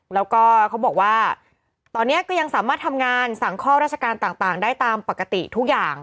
แล้วก็เขาบอกว่าตอนนี้ก็ยังสามารถทำงานสั่งข้อราชการต่างได้ตามปกติทุกอย่าง